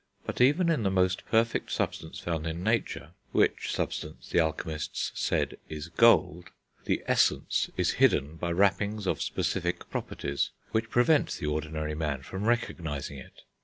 But even in the most perfect substance found in nature which substance, the alchemists said, is gold the Essence is hidden by wrappings of specific properties which prevent the ordinary man from recognising it.